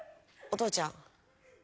お父ちゃん？